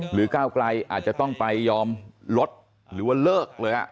ก้าวไกลอาจจะต้องไปยอมลดหรือว่าเลิกเลย